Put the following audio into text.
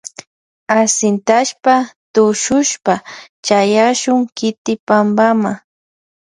Ashintashpa tushushpa chayashun kiti pampama.